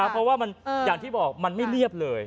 เพราะว่าอย่างที่บอกมันไม่เรียบเลย